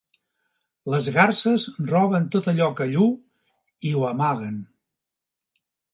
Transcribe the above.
Les garses roben tot allò que lluu i ho amaguen.